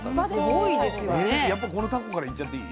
やっぱこのタコからいっちゃっていい？